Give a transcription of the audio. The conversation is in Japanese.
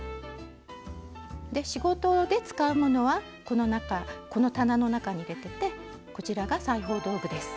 仕事で使うものはこの中この棚の中に入れててこちらが裁縫道具です。